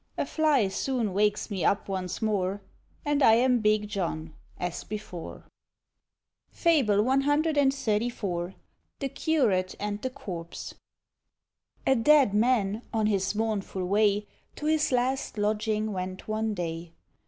A fly soon wakes me up once more, And I am Big John, as before. FABLE CXXXIV. THE CURATE AND THE CORPSE. A Dead man, on his mournful way. To his last lodging went one day.